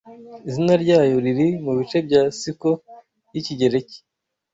Izina ryayo riri mubice bya siko yikigereki